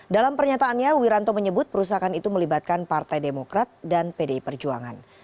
dalam pernyataannya wiranto menyebut perusahaan itu melibatkan partai demokrat dan pdi perjuangan